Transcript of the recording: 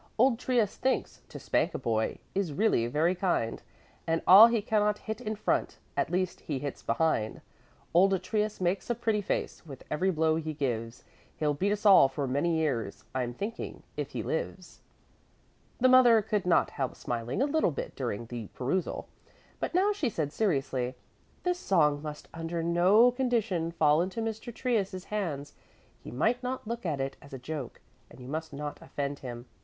Old Trius thinks: To spank a boy Is really very kind, And all he cannot hit in front At least he hits behind. Old Trius makes a pretty face With every blow he gives. He'll beat us all for many years, I'm thinking, if he lives. The mother could not help smiling a little bit during the perusal, but now she said seriously: "This song must under no condition fall into Mr. Trius' hands. He might not look at it as a joke, and you must not offend him.